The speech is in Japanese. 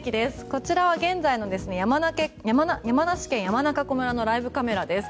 こちらは現在の山梨県山中湖村のライブカメラです。